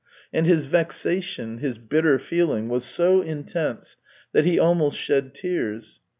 And his vexation, his bitter feeling, was so intense that he almost shed tears.